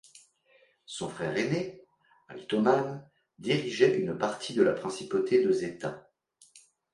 Son frère aîné, Altoman, dirigeait une partie de la principauté de Zeta.